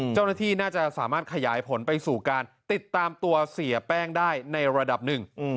เจ้าหน้าที่น่าจะสามารถขยายผลไปสู่การติดตามตัวเสียแป้งได้ในระดับหนึ่ง